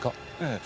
ええ。